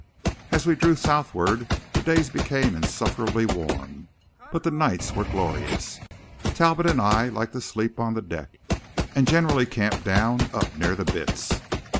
As we drew southward the days became insufferably warm, but the nights were glorious. Talbot and I liked to sleep on the deck; and generally camped down up near the bitts.